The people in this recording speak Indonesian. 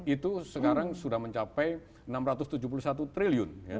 itu sekarang sudah mencapai enam ratus tujuh puluh satu triliun